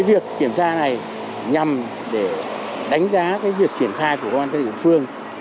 việc kiểm tra này nhằm đánh giá việc triển khai của các địa phương